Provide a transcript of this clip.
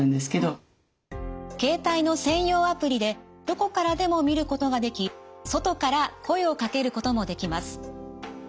携帯の専用アプリでどこからでも見ることができ外から声をかけることもできます。